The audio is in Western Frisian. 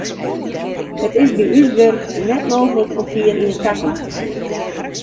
It is by ús wurk net mooglik om fier yn de takomst te sjen.